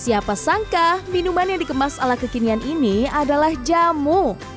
siapa sangka minuman yang dikemas ala kekinian ini adalah jamu